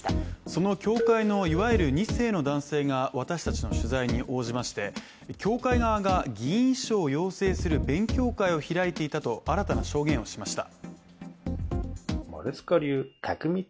その教会のいわゆる２世の男性が私たちの取材に応じまして教会側が議員秘書を養成する勉強会を開いていたと新たな証言をしました。